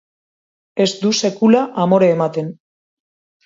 Ez du sekula amore ematen.